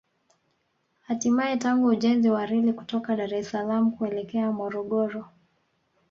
Hatimae tangu ujenzi wa reli kutoka Dar es Salaam kuelekea Morogoro